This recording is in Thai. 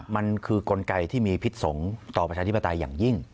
มันคือกลไกที่มีพิษสงฆ์ต่อประชาธิปไตยอย่างยิ่ง